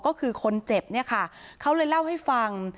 ก็คือคนเจ็บเนี่ยค่ะเขาเลยเล่าให้ฟัง